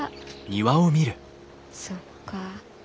そっか。